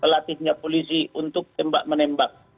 latihnya polisi untuk tembak menembak